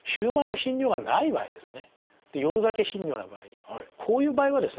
夜だけ頻尿の場合こういう場合はですね